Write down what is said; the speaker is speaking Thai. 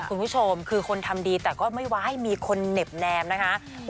คุณผู้ชมคือคนทำดีแต่ก็ไม่ว่าให้มีคนเหน็บแนมนะคะ